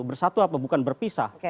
bersatu apa bukan berpisah